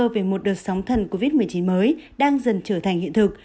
về một đợt sóng thần covid một mươi chín mới đang dần trở thành hiện thực